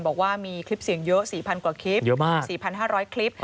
บอกว่ามีคลิปเสียงเยอะ๔๐๐กว่าคลิปเยอะมาก๔๕๐๐คลิป